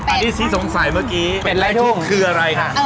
อันนี้ที่สงสัยเมื่อกี้เป็ดไล่ทุ่งคืออะไรค่ะ